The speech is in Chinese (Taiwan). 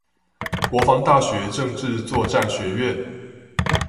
國防大學政治作戰學院